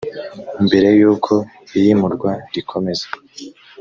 mbere y’uko iyimurwa rikomeza